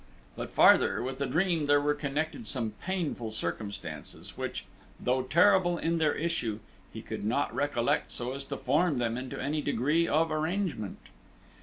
But farther, with the dream there were connected some painful circumstances which, though terrible in their issue, he could not recollect so as to form them into any degree of arrangement.